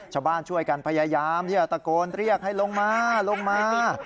ชาวบ้านช่วยกันพยายามที่จะตะโกนเรียกให้ลงมาลงมา